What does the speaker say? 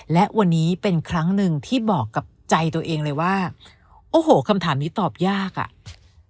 และวันนี้เป็นครั้งหนึ่งที่บอกกับใจตัวเองเลยว่าโอ้โหคำถามนี้ตอบยากอ่ะ